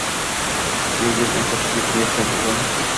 — Bu yil o'n to'qqizga kirayapsan, o'g'lim.